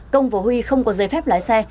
công vô huy không có giấy phép lái xe